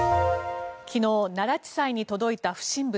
昨日、奈良地裁に届いた不審物。